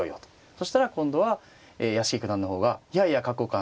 そしたら今度は屋敷九段の方がいやいや角交換